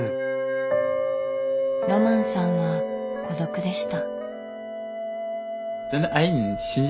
ロマンさんは孤独でした。